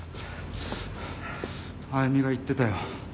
歩美が言ってたよ。